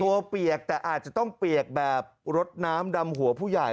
เปียกแต่อาจจะต้องเปียกแบบรดน้ำดำหัวผู้ใหญ่